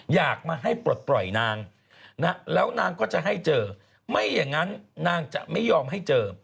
อยากมาให้ปลดปล่อยนางแล้วนางก็จะให้เจอไม่อย่างนั้นนางจะไม่ยอมให้เจอ